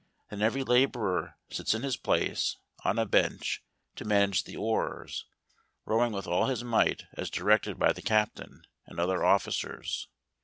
Then every labourer sits in his place, on a bench, to manage the oars, rowing with all his might as directed by the cap¬ tain and other officers.